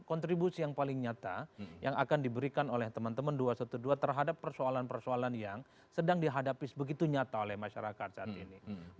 kontribusi yang paling nyata yang akan diberikan oleh teman teman dua ratus dua belas terhadap persoalan persoalan yang sedang dihadapi sebegitu nyata oleh masyarakat saat ini